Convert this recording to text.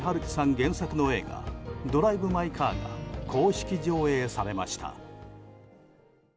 原作の映画「ドライブ・マイ・カー」が公式上映されました。